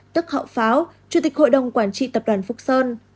tức hậu pháo chủ tịch hội đồng quản trị tập đoàn phúc sơn